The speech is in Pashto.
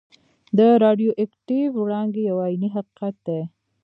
د راډیو اکټیف وړانګې یو عیني حقیقت دی.